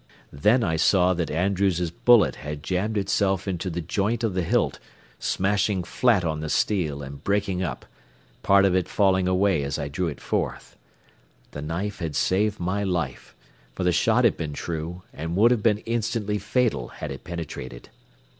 Then I saw that Andrews's bullet had jammed itself into the joint of the hilt, smashing flat on the steel and breaking up, part of it falling away as I drew it forth. The knife had saved my life; for the shot had been true, and would have been instantly fatal had it penetrated.